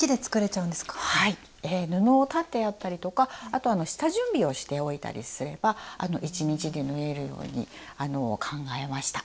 布を裁ってあったりとかあと下準備をしておいたりすれば１日で縫えるようにあの考えました。